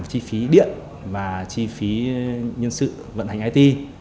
chi phí điện và chi phí nhân sự vận hành it